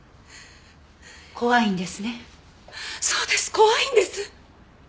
怖いんです。